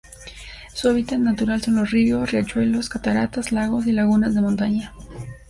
Su hábitat natural son los ríos, riachuelos, cataratas, lagos y lagunas de montaña.